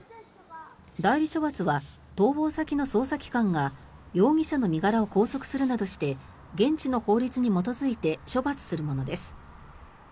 代理処罰は逃亡先の捜査機関が容疑者の身柄を拘束するなどして現地の法律に基づいて処罰するものです。